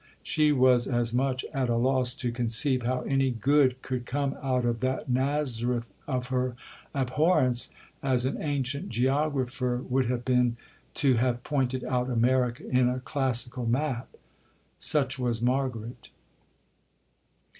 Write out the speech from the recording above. She was as much at a loss to conceive how any good could come out of that Nazareth of her abhorrence, as an ancient geographer would have been to have pointed out America in a classical map.—Such was Margaret.